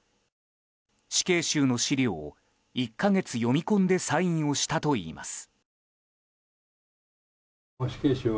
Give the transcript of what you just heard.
死刑囚の資料を１か月読み込んでサインをしたといいます。